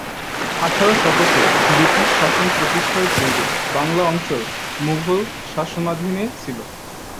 আঠারো শতকে ব্রিটিশ শাসন প্রতিষ্ঠার পূর্বে বাংলা অঞ্চল মুগল শাসনাধীনে ছিল।